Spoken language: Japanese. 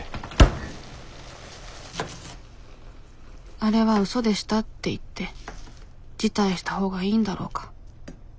あれは嘘でしたって言って辞退したほうがいいんだろうか。